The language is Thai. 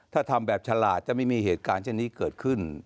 ถ้าทำแบบฉลาดจะไม่มีเหตุการณ์เช่นนี้เกิดขึ้น